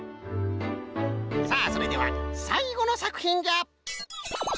さあそれではさいごのさくひんじゃ！